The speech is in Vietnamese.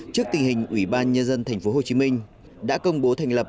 trước tình hình ủy ban nhân dân thành phố hồ chí minh đã công bố thành lập